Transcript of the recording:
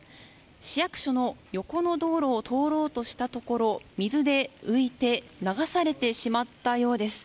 市役所の横の道路を通ろうとしたところ水で浮いて流されてしまったようです。